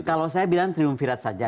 kalau saya bilang triumvirat saja